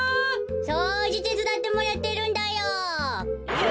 そうじてつだってもらってるんだよ。